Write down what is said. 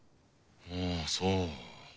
ああそう。